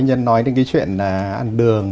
nhân nói đến cái chuyện ăn đường